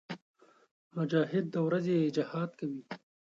مجاهد د ورځې جهاد کوي.